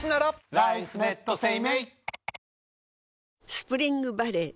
スプリングバレー